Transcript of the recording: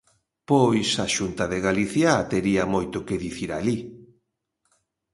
Pois a Xunta de Galicia tería moito que dicir alí.